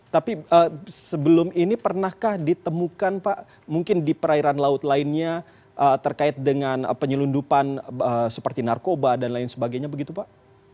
tapi sebelum ini pernahkah ditemukan pak mungkin di perairan laut lainnya terkait dengan penyelundupan seperti narkoba dan lain sebagainya begitu pak